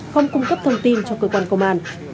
không cung cấp thông tin cho cơ quan công an